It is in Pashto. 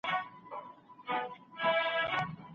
ډاکټر صاحب، مهرباني وکړئ زموږ پاڼه وړاندي کړئ.